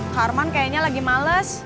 kak arman kayaknya lagi males